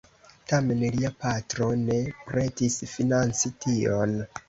Tamen lia patro ne pretis financi tion.